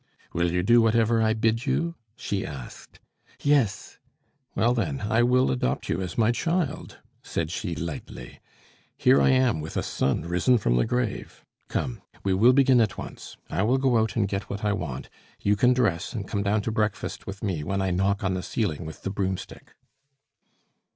"Will you do whatever I bid you?" she asked. "Yes." "Well, then, I will adopt you as my child," said she lightly. "Here I am with a son risen from the grave. Come! we will begin at once. I will go out and get what I want; you can dress, and come down to breakfast with me when I knock on the ceiling with the broomstick."